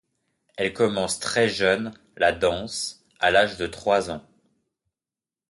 Elle commence très jeune la danse, à l'âge de trois ans.